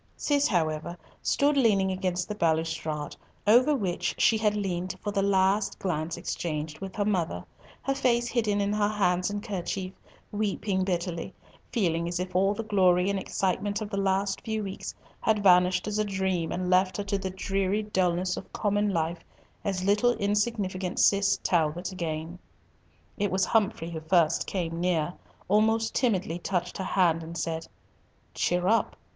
Cis, however, stood leaning against the balustrade, over which she had leant for the last glance exchanged with her mother, her face hidden in her hands and kerchief, weeping bitterly, feeling as if all the glory and excitement of the last few weeks had vanished as a dream and left her to the dreary dulness of common life, as little insignificant Cis Talbot again. It was Humfrey who first came near, almost timidly touched her hand, and said, "Cheer up.